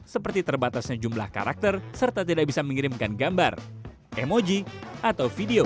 seperti terbatasnya jumlah karakter serta tidak bisa mengirimkan gambar emoji atau video